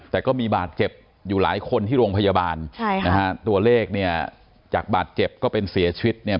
แต่ก็มีบาดเจ็บอยู่หลายคนที่โรงพยาบาลตัวเลขเนี่ยจากบาดเจ็บก็เป็นเสียชีวิต